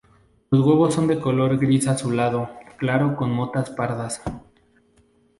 Los huevos son de color gris azulado claro con motas pardas.